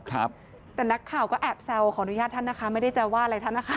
แต่นักข่าวก็แอบแซวขออนุญาตท่านนะคะไม่ได้จะว่าอะไรท่านนะคะ